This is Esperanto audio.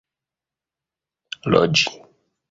loĝi